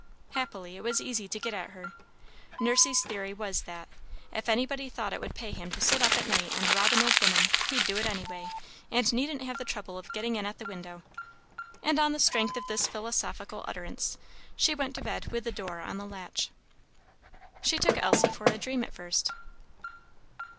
Happily, it was easy to get at her. Nursey's theory was that, "if anybody thought it would pay him to sit up at night and rob an old woman, he'd do it anyway, and needn't have the trouble of getting in at the window;" and on the strength of this philosophical utterance, she went to bed with the door on the latch. She took Elsie for a dream, at first.